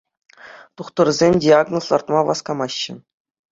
Тухтӑрсем диагноз лартма васкамаҫҫӗ.